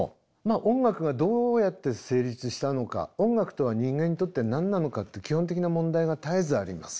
音楽がどうやって成立したのか音楽とは人間にとって何なのかって基本的な問題が絶えずあります。